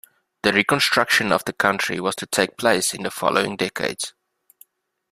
The reconstruction of the country was to take place in the following decades.